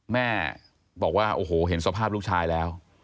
แม่บอกว่าโอ้โหเห็นสภาพลูกชายแล้ว